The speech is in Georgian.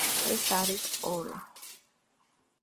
ეს არის ორი.